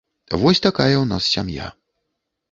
Вось такая ў нас сям'я.